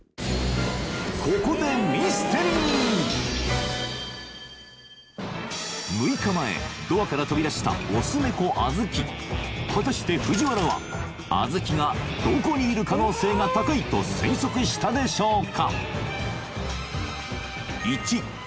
ここでミステリー６日前ドアから飛び出したオスネコあずき果たして藤原はあずきがどこにいる可能性が高いと推測したでしょうか